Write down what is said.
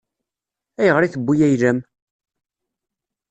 Ayɣer i tewwi ayla-m?